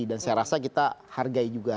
dan saya rasa kita hargai juga